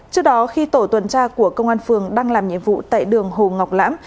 trước đó khi tổ tuần tra của công an phường đang làm nhiệm vụ tại đường hồ ngọc lãm